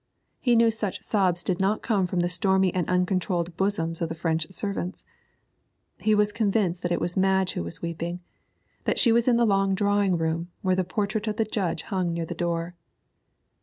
He knew such sobs did not come from the stormy and uncontrolled bosoms of the French servants. He was convinced that it was Madge who was weeping, that she was in the long drawing room, where the portrait of the judge hung near the door.